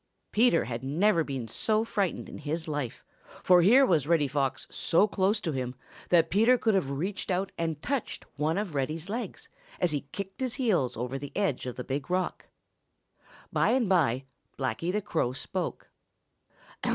Peter had never been so frightened in his life, for here was Reddy Fox so close to him that Peter could have reached out and touched one of Reddy's legs, as he kicked his heels over the edge of the big rock. By and by Blacky the Crow spoke.